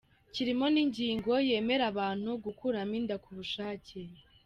kirimo n’ingingo yemerera abantu gukuramo inda ku bushake